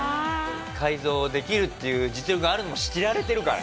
改造できるっていう実力があるのも知られてるから。